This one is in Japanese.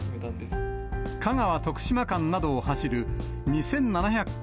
香川・徳島間などを走る、２７００系